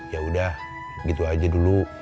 yaudah gitu aja dulu